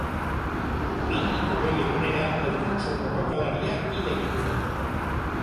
Handik hogei egunera Alfontso borrokalaria hil egin zen.